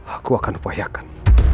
aku akan upayakan